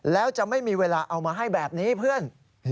แล้วจะไม่มีเวลาเอามาให้แบบนี้เพื่อน